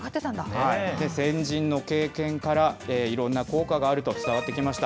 先人の経験から、いろんな効果があると伝わってきました。